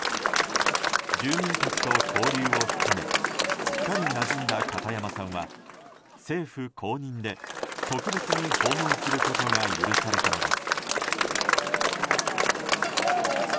住民たちと交流を深めすっかりなじんだ片山さんは政府公認で、特別に訪問することが許されたのです。